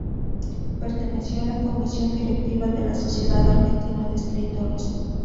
Perteneció a la comisión directiva de la Sociedad Argentina de Escritores.